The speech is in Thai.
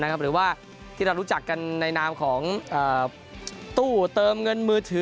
หรือว่าที่เรารู้จักกันในนามของตู้เติมเงินมือถือ